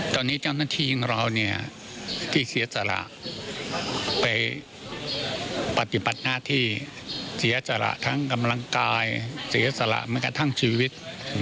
ตอนนี้เจ้าหน้าที่ของเราเนี่ยที่เสียสละไปปฏิบัติหน้าที่เสียสละทั้งกำลังกายเสียสละแม้กระทั่งชีวิต